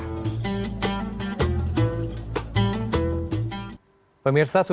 pemirsa sudah menunjukkan bahwa islam di rumah allah adalah hal yang sangat penting untuk memperkenalkan keadaan